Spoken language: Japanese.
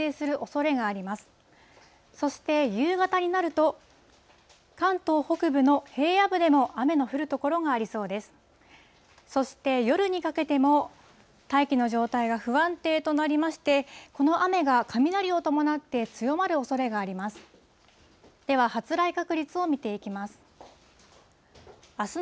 そして夜にかけても大気の状態は不安定となりまして、この雨が雷を伴って強まるおそれがあります。